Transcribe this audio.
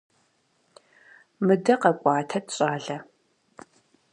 Мыдэ къэкӀуатэт, щӀалэ.